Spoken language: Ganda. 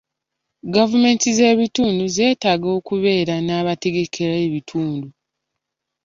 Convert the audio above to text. Gavumenti z’ebitundu zeetaaga okubeera n’abategekera ebitundu.